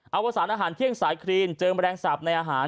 อวสารอาหารเที่ยงสายครีนเจิมแมลงสาปในอาหาร